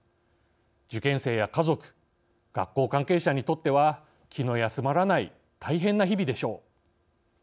受験生や家族学校関係者にとっては気の休まらない大変な日々でしょう。